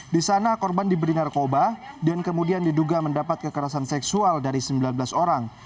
di sana korban diberi narkoba dan kemudian diduga mendapat kekerasan seksual dari sembilan belas orang